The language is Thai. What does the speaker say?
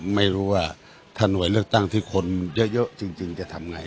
ไม่รู้ว่าถ้าหน่วยเลือกตั้งที่คนเยอะจริงจะทำไง